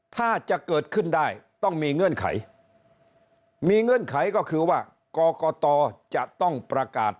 ถ้าจะเกิดขึ้นได้ต้องมีเงื่อนไขมีเงื่อนไขก็คือว่ากรกตจะต้องประกาศ